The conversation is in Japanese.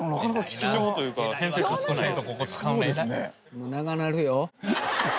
もう長なるよ。